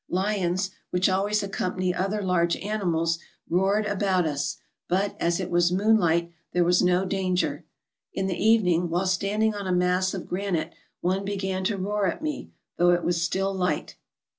Lions, which always accompany other large animals, roared about us, but, as it was moon light, there was no danger. In the evening, while stand ing on a mass of granite, one began to roar at me, though it was still light.